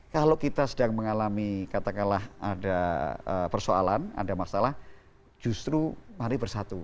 kalau kita sedang mengalami katakanlah ada persoalan ada masalah justru mari bersatu